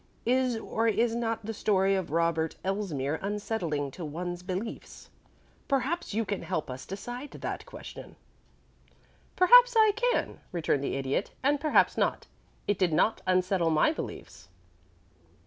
Is or is not the story of Robert Elsmere unsettling to one's beliefs? Perhaps you can help us to decide that question." "Perhaps I can," returned the Idiot; "and perhaps not. It did not unsettle my beliefs."